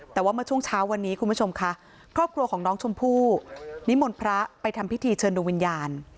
แต่ว่าเมื่อช่วงเช้าวันนี้คุณผู้ชมค่ะครอบครัวของน้องชมพู่นิมนต์พระไปทำพิธีเชิญดวงวิญญาณ